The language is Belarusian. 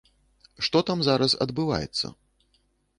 Што там зараз адбываецца?